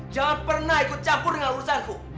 jangan pernah ikut campur dengan urusanku